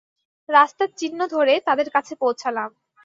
রাস্তার চিহ্ন ধরে তাদের কাছে পৌছালাম।